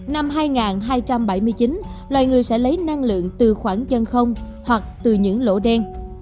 năm hai nghìn hai trăm bảy mươi chín loài người sẽ lấy năng lượng từ khoảng chân không hoặc từ những lỗ đen